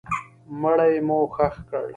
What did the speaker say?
مړی مو ښخ کړ.